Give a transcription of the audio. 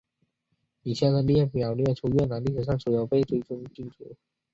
以下的列表列出越南历史上所有被追尊君主。